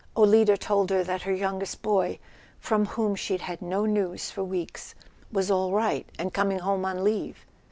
Olida told her that her youngest boy, from whom she'd had no news for weeks, was all right, and coming home on leave.